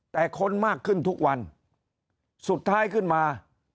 แต่คนมากขึ้นทุกวันสุดท้ายขึ้นมา